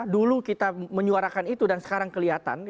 dulu kita menyuarakan itu dan sekarang kelihatan